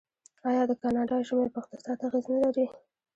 آیا د کاناډا ژمی په اقتصاد اغیز نلري؟